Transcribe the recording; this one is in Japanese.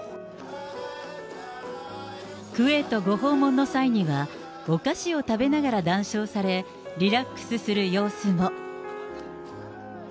クウェートご訪問の際には、お菓子を食べながら談笑され、リラックスする様子も。